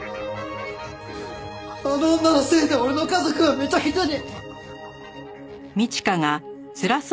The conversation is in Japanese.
あの女のせいで俺の家族はめちゃくちゃに！